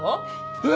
えっ！